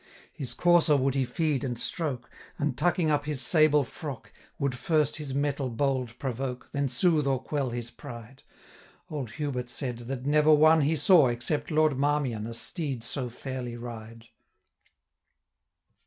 His courser would he feed and stroke, And, tucking up his sable frocke, Would first his mettle bold provoke, Then soothe or quell his pride. 805 Old Hubert said, that never one He saw, except Lord Marmion, A steed so fairly ride.